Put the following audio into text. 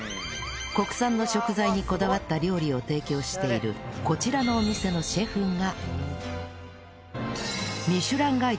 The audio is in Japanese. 国産の食材にこだわった料理を提供しているこちらのお店のシェフが